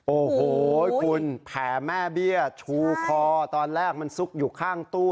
โอ้โหคุณแผลแม่เบี้ยชูคอตอนแรกมันซุกอยู่ข้างตู้